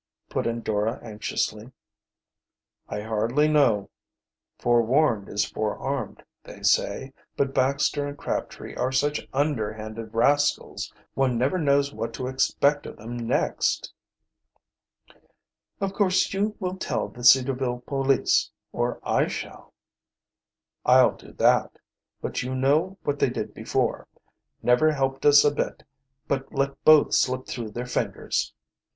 put in Dora anxiously. "I hardly know. 'Forwarned is forearmed,' they say, but Baxter and Crabtree are such underhanded rascals one never knows what to expect of them next." "Of course you will tell the Cedarville police or I shall." "I'll do that. But you know what they did before. Never helped us a bit, but let both slip through their fingers."